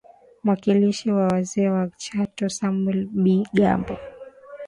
mwakilishi wa wazee wa Chato Samwel Bigambo